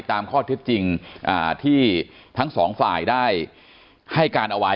ตามข้อเท็จจริงที่ทั้งสองฝ่ายได้ให้การเอาไว้